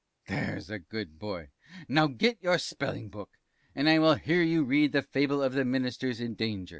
T. There's a good boy, now get your spelling book, and I will hear you read the Fable of the Ministers in Danger.